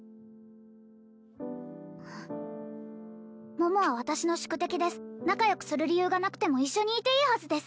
桃は私の宿敵です仲良くする理由がなくても一緒にいていいはずです